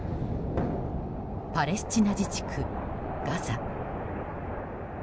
パレスチナ自治区ガザ。